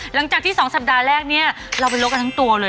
หลังจากที่๒สัปดาห์แรกเนี่ยเราไปลบกันทั้งตัวเลย